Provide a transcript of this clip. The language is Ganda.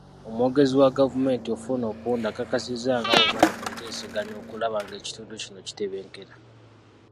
Omwogezi wa gavumenti, Ofwono Opondo, akakasizza nga bwe bali muteeseganya okulaba ng'ekitundu kino kitebenkera.